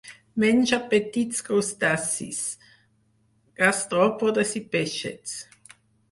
Menja petits crustacis, gastròpodes i peixets.